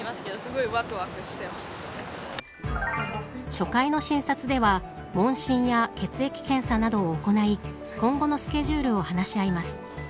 初回の診察では問診や血液検査などを行い今後のスケジュールを話し合います。